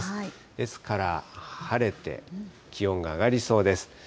ですから晴れて気温が上がりそうです。